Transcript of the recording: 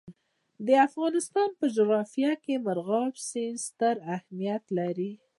د افغانستان په جغرافیه کې مورغاب سیند ستر اهمیت لري.